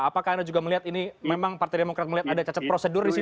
apakah anda juga melihat ini memang partai demokrat melihat ada cacat prosedur di situ